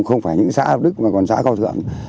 không phải những xã hợp đức mà còn xã cao thượng